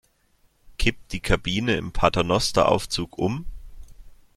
Kippt die Kabine im Paternosteraufzug um?